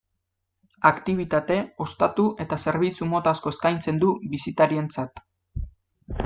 Aktibitate, ostatu eta zerbitzu mota asko eskaintzen du bisitarientzat.